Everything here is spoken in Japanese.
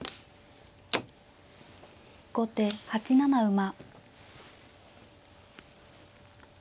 後手８七馬。